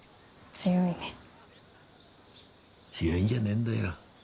強いんじゃねえんだよ。